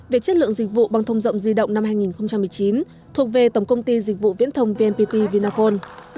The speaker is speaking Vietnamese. về chất lượng dịch vụ băng thông rộng di động năm hai nghìn một mươi chín thuộc về tổng công ty dịch vụ viễn thông vnpt vinaphone